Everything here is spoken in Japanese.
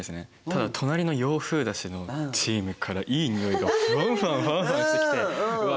ただ隣の洋風だしのチームからいいにおいがファンファンファンファンしてきてうわ